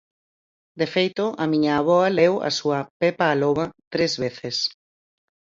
De feito, a miña avoa leu a súa "Pepa A Loba" tres veces.